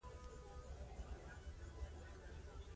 د سیمې د مسلمانانو د بې ثباتۍ پلانونه په کې تطبیقېدل.